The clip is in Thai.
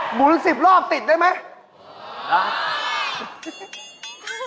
หมุน๑๐รอบติดได้ไหม